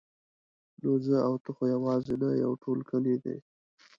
نو زه او ته خو یوازې نه یو ټول کلی دی.